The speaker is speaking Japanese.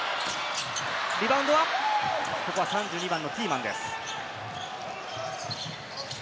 リバウンドはここはティーマンです。